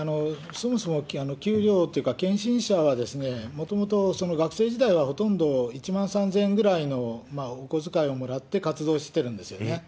そもそも給料というか、けんしん者はもともと学生時代はほとんど１万３０００円ぐらいのお小遣いをもらって活動してるんですよね。